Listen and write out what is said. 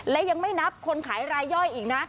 และยังไม่นับคนขายรายย่อยอีกนะ